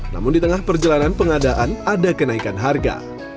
namun di tengah perjalanan pengadaan ada kenaikan harga